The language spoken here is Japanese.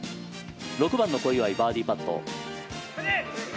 ６番の小祝、バーディーパット。